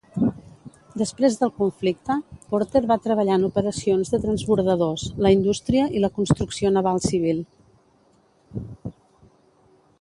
Després del conflicte, Porter va treballar en operacions de transbordadors, la indústria i la construcció naval civil.